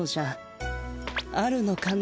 あるのかの？